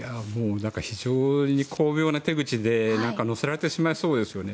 非常に巧妙な手口で乗せられてしまいそうですよね。